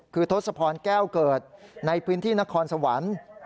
คือทศพรแก้วเกิดในพื้นที่นครสวรรค์